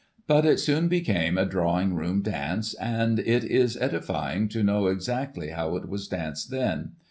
239 But it soon became a Drawing room dance, and it is edify ing to know exactly how it was danced then.